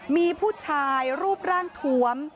มีผู้ชายรูปร่างถวม